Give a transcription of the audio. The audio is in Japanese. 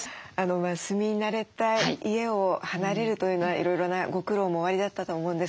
住み慣れた家を離れるというのはいろいろなご苦労もおありだったと思うんですけれども。